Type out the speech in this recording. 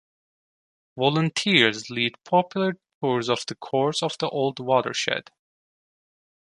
Volunteers lead popular tours of the course of the old watershed.